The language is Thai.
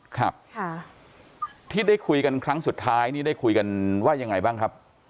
ครับที่ได้คุยกันครั้งสุดท้ายนี่ได้คุยกันว่ายังไงบ้างครับ